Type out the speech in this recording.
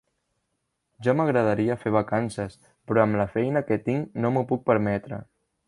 Ja m'agradaria fer vacances, però amb la feina que tinc no m'ho puc permetre.